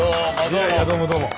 いやいやどうもどうも。